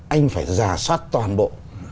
anh phải ra soát toàn bộ